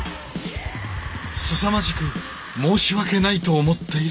すさまじく申し訳ないと思っている古見さん。